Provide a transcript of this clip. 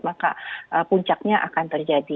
maka puncaknya akan terjadi